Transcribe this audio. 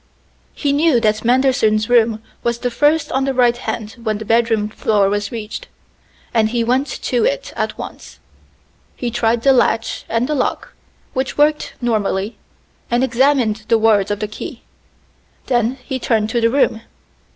He knew that Manderson's room was the first on the right hand when the bedroom floor was reached, and he went to it at once. He tried the latch and the lock, which worked normally, and examined the wards of the key. Then he turned to the room.